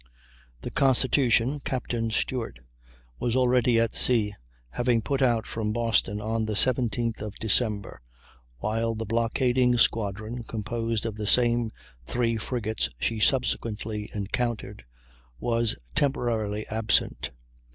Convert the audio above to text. The Constitution, Capt. Stewart, was already at sea, having put out from Boston on the 17th of December, while the blockading squadron (composed of the same three frigates she subsequently encountered) was temporarily absent.